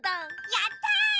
やった！